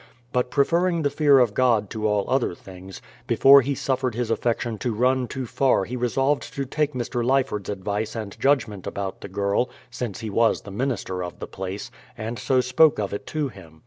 But preferring the fear of God to all other things, before he suffered his affection to run too far he resolved to take Mr. Lyford's advice and judgment about the girl, — since he was the minister of the place, — and so spoke of it to him.